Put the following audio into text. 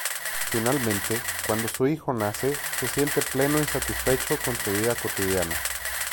Finalmente, cuando su hijo nace, se siente pleno y satisfecho con su vida cotidiana.